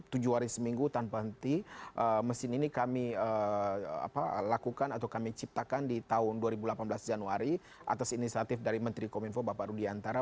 dan itu tanpa henti mesin ini kami lakukan atau kami ciptakan di tahun dua ribu delapan belas januari atas inisiatif dari menteri kominfo bapak rudiantara